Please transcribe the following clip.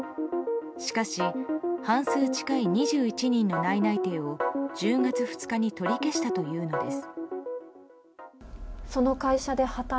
しかし、半数近い２１人の内々定を１０月２日に取り消したというのです。